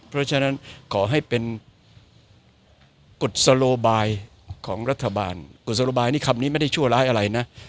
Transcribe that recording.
เพราะฉะนั้นขอให้เป็นกุศโลบายของรัฐบาลกุศโลบายนี่คำนี้ไม่ได้ชั่วร้ายอะไรนะ